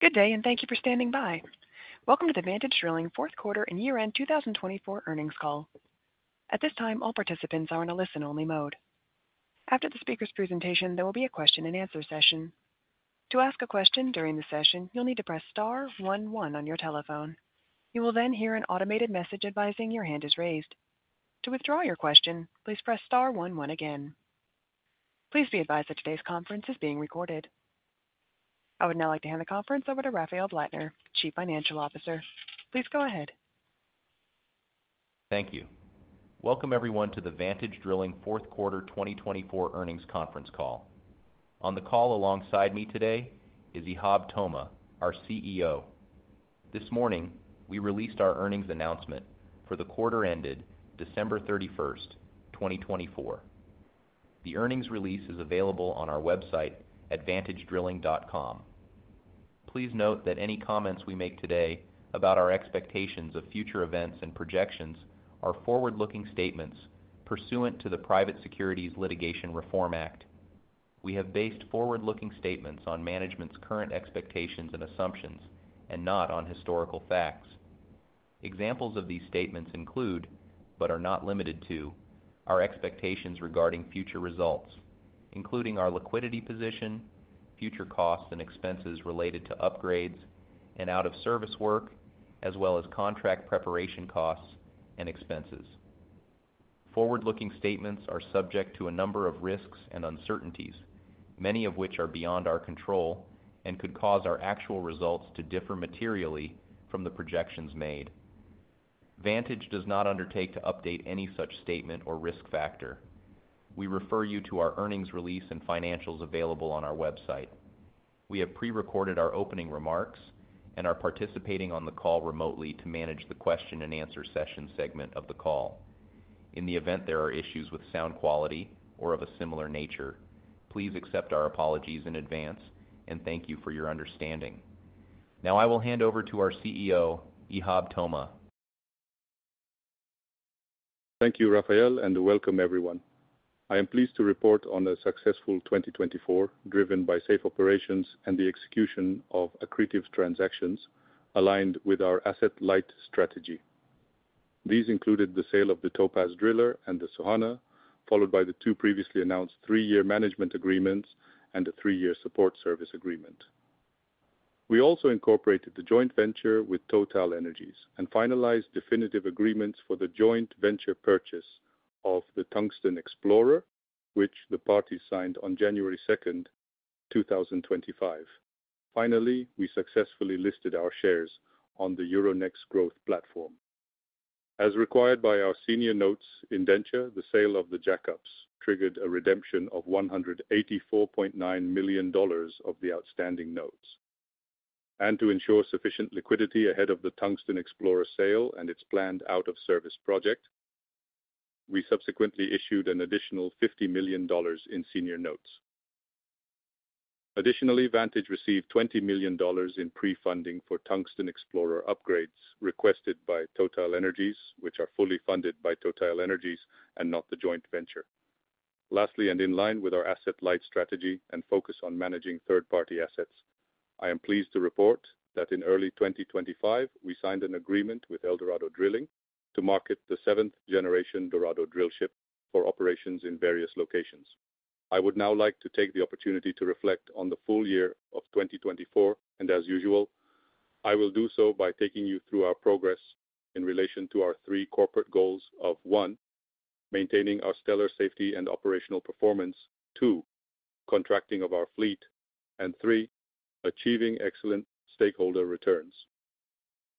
Good day, and thank you for standing by. Welcome to the Vantage Drilling Fourth Quarter and Year-End 2024 Earnings Call. At this time, all participants are in a listen-only mode. After the speaker's presentation, there will be a question-and-answer session. To ask a question during the session, you'll need to press star 11 on your telephone. You will then hear an automated message advising your hand is raised. To withdraw your question, please press star 11 again. Please be advised that today's conference is being recorded. I would now like to hand the conference over to Rafael Blattner, Chief Financial Officer. Please go ahead. Thank you. Welcome everyone to the Vantage Drilling Fourth Quarter 2024 Earnings Conference Call. On the call alongside me today is Ihab Toma, our CEO. This morning, we released our earnings announcement for the quarter ended December 31, 2024. The earnings release is available on our website at vantagedrilling.com. Please note that any comments we make today about our expectations of future events and projections are forward-looking statements pursuant to the Private Securities Litigation Reform Act. We have based forward-looking statements on management's current expectations and assumptions and not on historical facts. Examples of these statements include, but are not limited to, our expectations regarding future results, including our liquidity position, future costs and expenses related to upgrades and out-of-service work, as well as contract preparation costs and expenses. Forward-looking statements are subject to a number of risks and uncertainties, many of which are beyond our control and could cause our actual results to differ materially from the projections made. Vantage does not undertake to update any such statement or risk factor. We refer you to our earnings release and financials available on our website. We have pre-recorded our opening remarks and are participating on the call remotely to manage the question-and-answer session segment of the call. In the event there are issues with sound quality or of a similar nature, please accept our apologies in advance and thank you for your understanding. Now I will hand over to our CEO, Ihab Toma. Thank you, Rafael, and welcome everyone. I am pleased to report on a successful 2024 driven by safe operations and the execution of accretive transactions aligned with our asset-light strategy. These included the sale of the Topaz Driller and the Soehanah, followed by the two previously announced three-year management agreements and a three-year support service agreement. We also incorporated the joint venture with TotalEnergies and finalized definitive agreements for the joint venture purchase of the Tungsten Explorer, which the parties signed on January 2, 2025. Finally, we successfully listed our shares on the Euronext Growth platform. As required by our senior notes indenture, the sale of the jackups triggered a redemption of $184.9 million of the outstanding notes. To ensure sufficient liquidity ahead of the Tungsten Explorer sale and its planned out-of-service project, we subsequently issued an additional $50 million in senior notes. Additionally, Vantage received $20 million in pre-funding for Tungsten Explorer upgrades requested by TotalEnergies, which are fully funded by TotalEnergies and not the joint venture. Lastly, and in line with our asset-light strategy and focus on managing third-party assets, I am pleased to report that in early 2025 we signed an agreement with Eldorado Drilling to market the seventh-generation Dorado drillship for operations in various locations. I would now like to take the opportunity to reflect on the full year of 2024, and as usual, I will do so by taking you through our progress in relation to our three corporate goals of: 1) Maintaining our stellar safety and operational performance, 2) Contracting of our fleet, and 3) Achieving excellent stakeholder returns.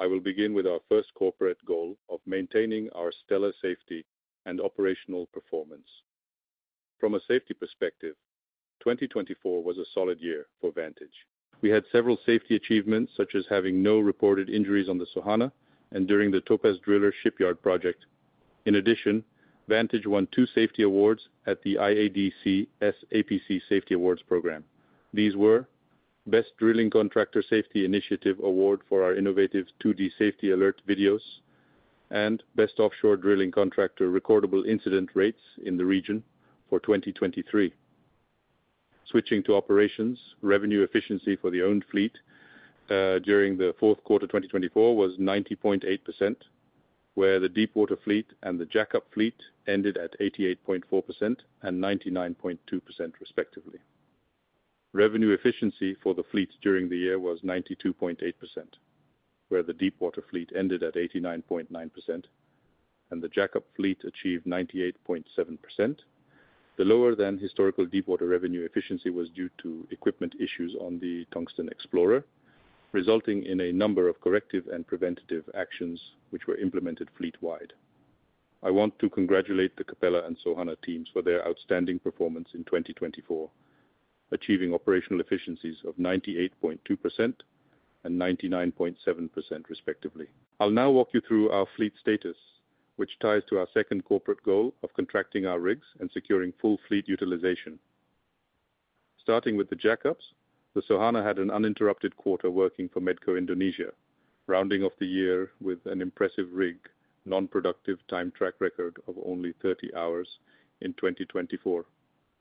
I will begin with our first corporate goal of maintaining our stellar safety and operational performance. From a safety perspective, 2024 was a solid year for Vantage. We had several safety achievements such as having no reported injuries on the Soehanah and during the Topaz Driller shipyard project. In addition, Vantage won two safety awards at the IADC SEAC Safety Awards program. These were: Best Drilling Contractor Safety Initiative Award for our innovative 2D safety alert videos, and Best Offshore Drilling Contractor Recordable Incident Rates in the Region for 2023. Switching to operations, revenue efficiency for the owned fleet during the fourth quarter 2024 was 90.8%, where the deepwater fleet and the jackup fleet ended at 88.4% and 99.2% respectively. Revenue efficiency for the fleet during the year was 92.8%, where the deepwater fleet ended at 89.9%, and the jackup fleet achieved 98.7%. The lower-than-historical deepwater revenue efficiency was due to equipment issues on the Tungsten Explorer, resulting in a number of corrective and preventative actions which were implemented fleet-wide. I want to congratulate the Capella and Soehanah teams for their outstanding performance in 2024, achieving operational efficiencies of 98.2% and 99.7% respectively. I'll now walk you through our fleet status, which ties to our second corporate goal of contracting our rigs and securing full fleet utilization. Starting with the jackups, the Soehanah had an uninterrupted quarter working for Medco Indonesia, rounding off the year with an impressive rig non-productive time track record of only 30 hours in 2024.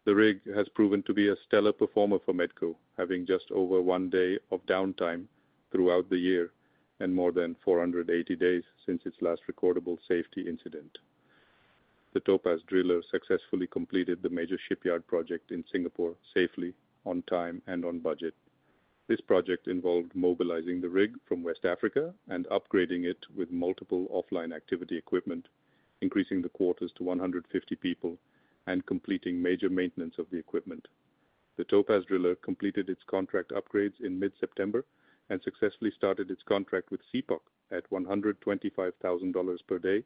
The rig has proven to be a stellar performer for Medco, having just over one day of downtime throughout the year and more than 480 days since its last recordable safety incident. The Topaz Driller successfully completed the major shipyard project in Singapore safely, on time, and on budget. This project involved mobilizing the rig from West Africa and upgrading it with multiple offline activity equipment, increasing the quarters to 150 people and completing major maintenance of the equipment. The Topaz Driller completed its contract upgrades in mid-September and successfully started its contract with CPOC at $125,000 per day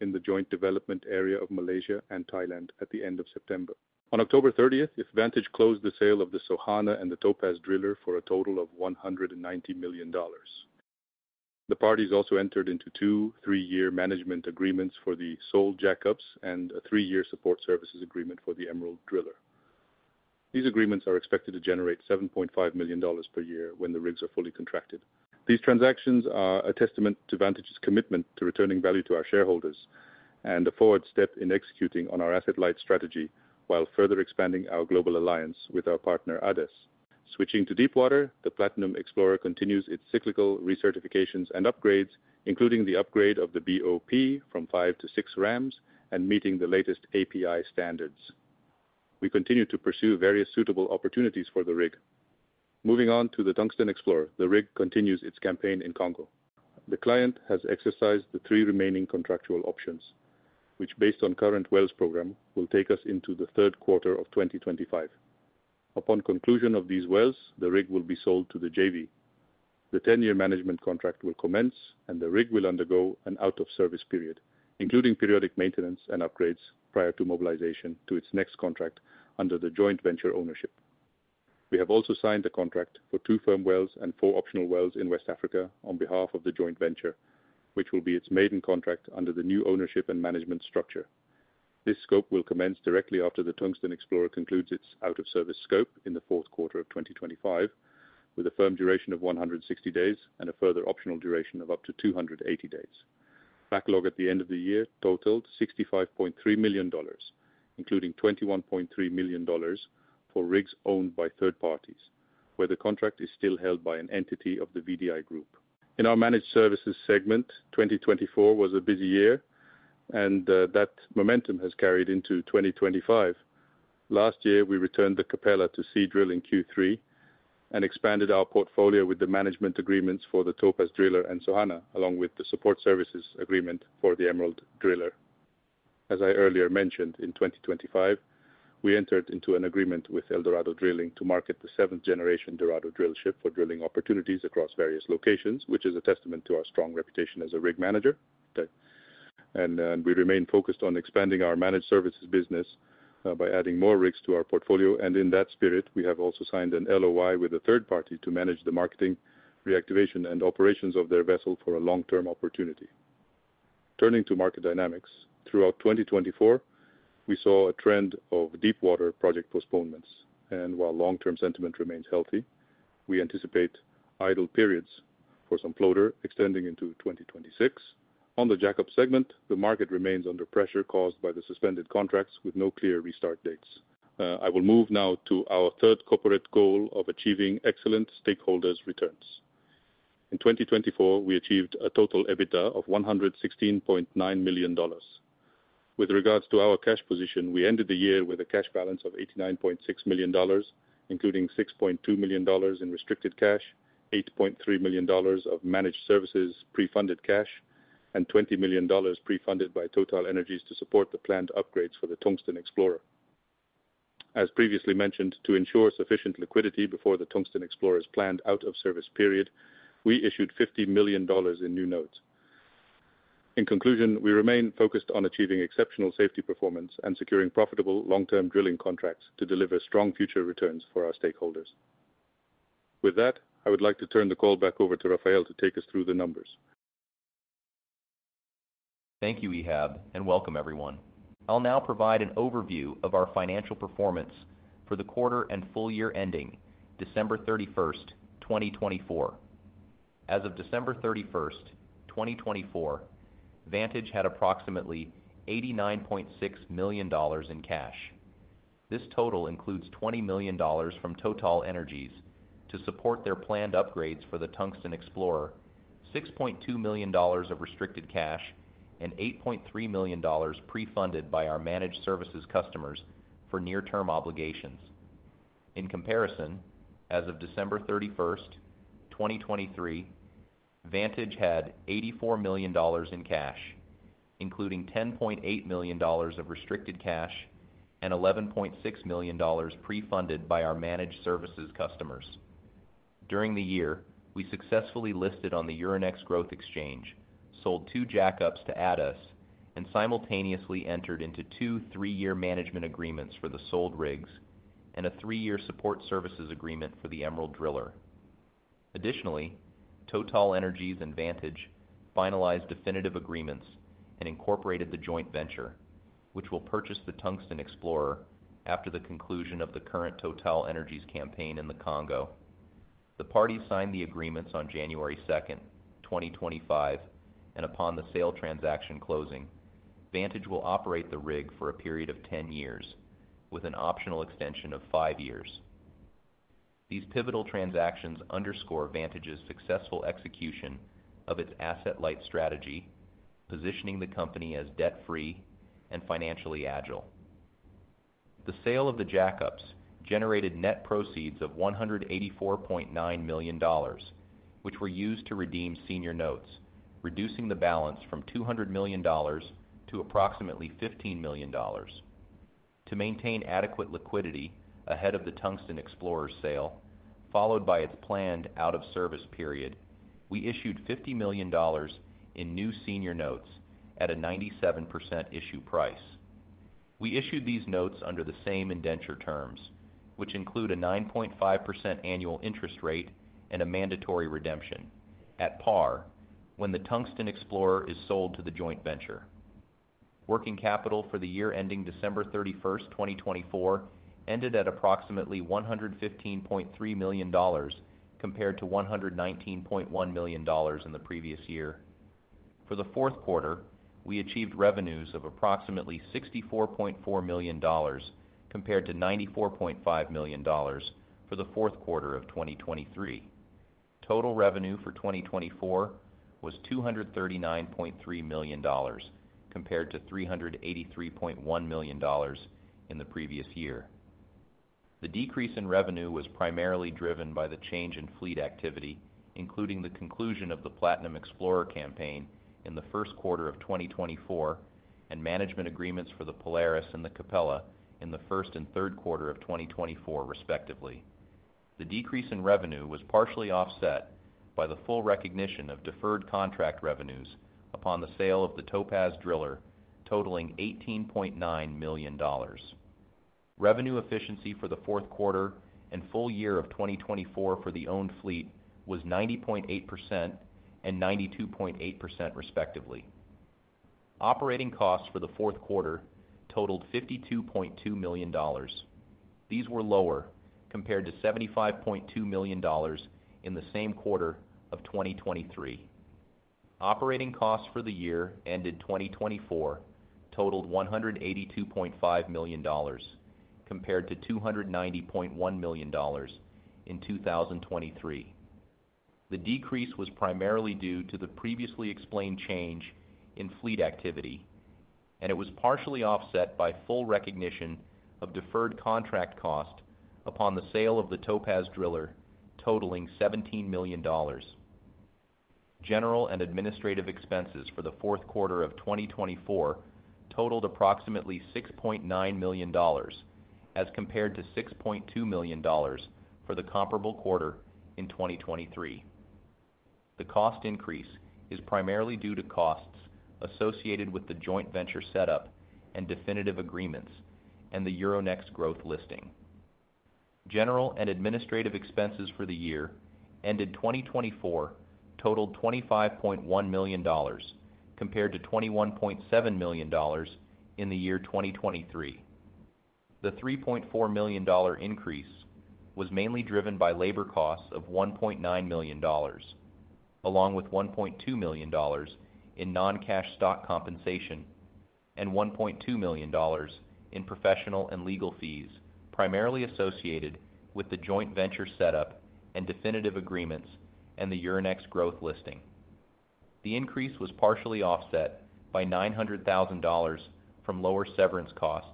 in the joint development area of Malaysia and Thailand at the end of September. On October 30, Vantage closed the sale of the Soehanah and the Topaz Driller for a total of $190 million. The parties also entered into two three-year management agreements for the sold jackups and a three-year support services agreement for the Emerald Driller. These agreements are expected to generate $7.5 million per year when the rigs are fully contracted. These transactions are a testament to Vantage's commitment to returning value to our shareholders and a forward step in executing on our asset-light strategy while further expanding our global alliance with our partner ADES. Switching to deepwater, the Platinum Explorer continues its cyclical recertifications and upgrades, including the upgrade of the BOP from five to six rams and meeting the latest API standards. We continue to pursue various suitable opportunities for the rig. Moving on to the Tungsten Explorer, the rig continues its campaign in Congo. The client has exercised the three remaining contractual options, which, based on current wells program, will take us into the third quarter of 2025. Upon conclusion of these wells, the rig will be sold to the JV. The ten-year management contract will commence, and the rig will undergo an out-of-service period, including periodic maintenance and upgrades prior to mobilization to its next contract under the joint venture ownership. We have also signed a contract for two firm wells and four optional wells in West Africa on behalf of the joint venture, which will be its maiden contract under the new ownership and management structure. This scope will commence directly after the Tungsten Explorer concludes its out-of-service scope in the fourth quarter of 2025, with a firm duration of 160 days and a further optional duration of up to 280 days. Backlog at the end of the year totaled $65.3 million, including $21.3 million for rigs owned by third parties, where the contract is still held by an entity of the VDI Group. In our managed services segment, 2024 was a busy year, and that momentum has carried into 2025. Last year, we returned the Capella to Seadrill in Q3 and expanded our portfolio with the management agreements for the Topaz Driller and Soehanah, along with the support services agreement for the Emerald Driller. As I earlier mentioned, in 2025, we entered into an agreement with Eldorado Drilling to market the seventh-generation Dorado drillship for drilling opportunities across various locations, which is a testament to our strong reputation as a rig manager. We remain focused on expanding our managed services business by adding more rigs to our portfolio, and in that spirit, we have also signed an LOI with a third party to manage the marketing, reactivation, and operations of their vessel for a long-term opportunity. Turning to market dynamics, throughout 2024, we saw a trend of deepwater project postponements, and while long-term sentiment remains healthy, we anticipate idle periods for some floater extending into 2026. On the jackup segment, the market remains under pressure caused by the suspended contracts with no clear restart dates. I will move now to our third corporate goal of achieving excellent stakeholders' returns. In 2024, we achieved a total EBITDA of $116.9 million. With regards to our cash position, we ended the year with a cash balance of $89.6 million, including $6.2 million in restricted cash, $8.3 million of managed services pre-funded cash, and $20 million pre-funded by TotalEnergies to support the planned upgrades for the Tungsten Explorer. As previously mentioned, to ensure sufficient liquidity before the Tungsten Explorer's planned out-of-service period, we issued $50 million in new notes. In conclusion, we remain focused on achieving exceptional safety performance and securing profitable long-term drilling contracts to deliver strong future returns for our stakeholders. With that, I would like to turn the call back over to Rafael to take us through the numbers. Thank you, Ihab, and welcome everyone. I'll now provide an overview of our financial performance for the quarter and full year ending December 31, 2024. As of December 31, 2024, Vantage had approximately $89.6 million in cash. This total includes $20 million from TotalEnergies to support their planned upgrades for the Tungsten Explorer, $6.2 million of restricted cash, and $8.3 million pre-funded by our managed services customers for near-term obligations. In comparison, as of December 31, 2023, Vantage had $84 million in cash, including $10.8 million of restricted cash and $11.6 million pre-funded by our managed services customers. During the year, we successfully listed on the Euronext Growth Exchange, sold two jackups to ADES, and simultaneously entered into two three-year management agreements for the sold rigs and a three-year support services agreement for the Emerald Driller. Additionally, TotalEnergies and Vantage finalized definitive agreements and incorporated the joint venture, which will purchase the Tungsten Explorer after the conclusion of the current TotalEnergies campaign in the Congo. The parties signed the agreements on January 2, 2025, and upon the sale transaction closing, Vantage will operate the rig for a period of 10 years with an optional extension of 5 years. These pivotal transactions underscore Vantage's successful execution of its asset-light strategy, positioning the company as debt-free and financially agile. The sale of the jackups generated net proceeds of $184.9 million, which were used to redeem senior notes, reducing the balance from $200 million to approximately $15 million. To maintain adequate liquidity ahead of the Tungsten Explorer's sale, followed by its planned out-of-service period, we issued $50 million in new senior notes at a 97% issue price. We issued these notes under the same indenture terms, which include a 9.5% annual interest rate and a mandatory redemption, at par when the Tungsten Explorer is sold to the joint venture. Working capital for the year ending December 31, 2024, ended at approximately $115.3 million compared to $119.1 million in the previous year. For the fourth quarter, we achieved revenues of approximately $64.4 million compared to $94.5 million for the fourth quarter of 2023. Total revenue for 2024 was $239.3 million compared to $383.1 million in the previous year. The decrease in revenue was primarily driven by the change in fleet activity, including the conclusion of the Platinum Explorer campaign in the first quarter of 2024 and management agreements for the Polaris and the Capella in the first and third quarter of 2024, respectively. The decrease in revenue was partially offset by the full recognition of deferred contract revenues upon the sale of the Topaz Driller, totaling $18.9 million. Revenue efficiency for the fourth quarter and full year of 2024 for the owned fleet was 90.8% and 92.8%, respectively. Operating costs for the fourth quarter totaled $52.2 million. These were lower compared to $75.2 million in the same quarter of 2023. Operating costs for the year ended 2024 totaled $182.5 million compared to $290.1 million in 2023. The decrease was primarily due to the previously explained change in fleet activity, and it was partially offset by full recognition of deferred contract cost upon the sale of the Topaz Driller, totaling $17 million. General and administrative expenses for the fourth quarter of 2024 totaled approximately $6.9 million, as compared to $6.2 million for the comparable quarter in 2023. The cost increase is primarily due to costs associated with the joint venture setup and definitive agreements and the Euronext Growth listing. General and administrative expenses for the year ended 2024 totaled $25.1 million compared to $21.7 million in the year 2023. The $3.4 million increase was mainly driven by labor costs of $1.9 million, along with $1.2 million in non-cash stock compensation and $1.2 million in professional and legal fees primarily associated with the joint venture setup and definitive agreements and the Euronext Growth listing. The increase was partially offset by $900,000 from lower severance costs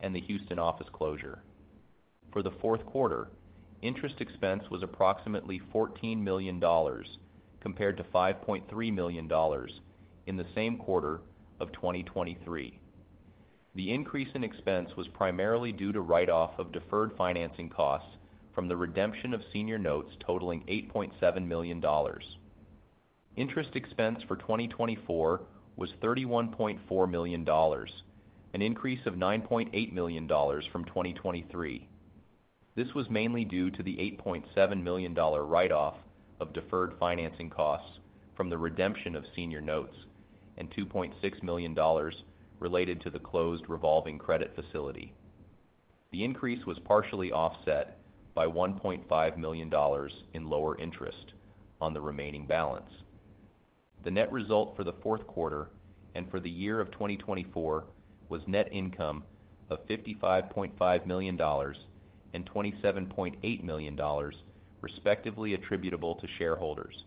and the Houston office closure. For the fourth quarter, interest expense was approximately $14 million compared to $5.3 million in the same quarter of 2023. The increase in expense was primarily due to write-off of deferred financing costs from the redemption of senior notes totaling $8.7 million. Interest expense for 2024 was $31.4 million, an increase of $9.8 million from 2023. This was mainly due to the $8.7 million write-off of deferred financing costs from the redemption of senior notes and $2.6 million related to the closed revolving credit facility. The increase was partially offset by $1.5 million in lower interest on the remaining balance. The net result for the fourth quarter and for the year of 2024 was net income of $55.5 million and $27.8 million, respectively attributable to shareholders.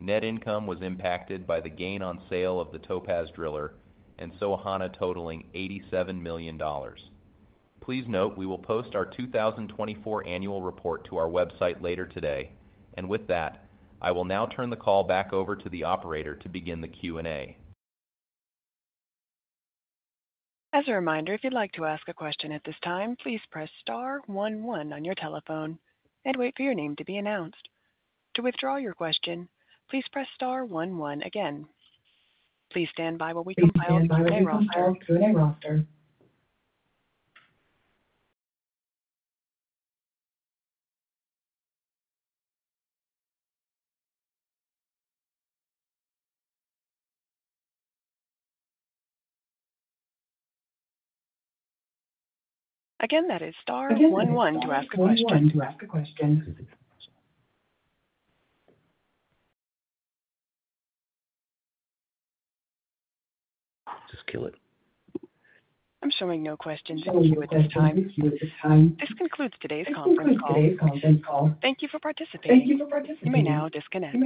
Net income was impacted by the gain on sale of the Topaz Driller and Soehanah totaling $87 million. Please note we will post our 2024 annual report to our website later today, and with that, I will now turn the call back over to the operator to begin the Q&A. As a reminder, if you'd like to ask a question at this time, please press star 11 on your telephone and wait for your name to be announced. To withdraw your question, please press star 11 again. Please stand by while we compile a Q&A roster. Again, that is star 11 to ask a question. Just kill it. I'm showing no questions in view at this time. This concludes today's conference call. Thank you for participating. You may now disconnect.